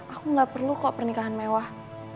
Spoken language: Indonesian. aku gak perlu kok pernikahan mewah